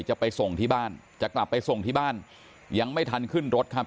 จะไปส่งที่บ้านจะกลับไปส่งที่บ้านยังไม่ทันขึ้นรถครับ